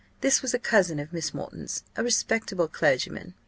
This was a cousin of Miss Moreton's, a respectable clergyman.